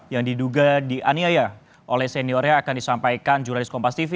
yang diduga dianiaya oleh seniornya akan disampaikan jurnalis kompas tv